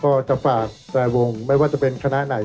ก็จะฝากแฟนวงไม่ว่าจะเป็นคณะไหน